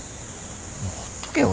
もうほっとけよ